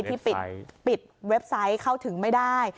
ที่ปิดเว็บไซต์เข้าถึงไม่ได้